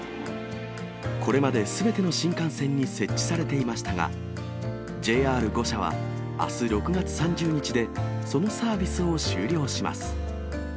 これまですべての新幹線に設置されていましたが、ＪＲ５社は、あす６月３０日でそのサービスを終了します。